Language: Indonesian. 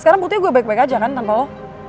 sekarang putih gue baik baik aja kan tanpa lo